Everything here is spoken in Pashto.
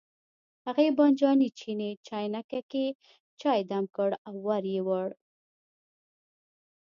هغې بانجاني چیني چاینکه کې چای دم کړ او ور یې وړ.